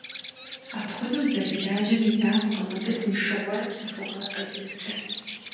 Апхуэдэу зэрылажьэм и закъуэкъым абы тыншыгъуэрэ псэхугъуэрэ къезымытыр.